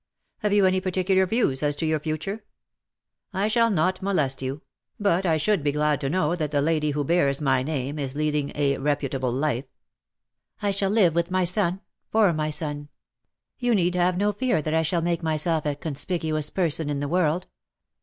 Have you any particular views as to your future ? I shall not molest you ; but I should be glad to know that the lady who bears my name is leading a reputable life/^ " I shall live with my son — for my son. You need have no fear that I shall make myself a conspicuous person in the world.